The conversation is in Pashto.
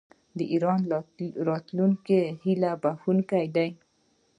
د ایران راتلونکی هیله بښونکی دی.